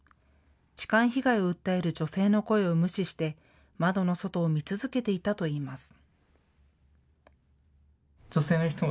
痴漢被害を訴える女性の声を無視して窓の外を見続けていたといいます。